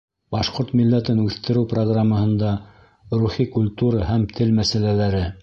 Башҡорт милләтен үҫтереү программаһында рухи культура һәм тел мәсьәләләре